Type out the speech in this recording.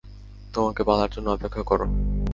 তোমার পালার জন্য অপেক্ষা কর!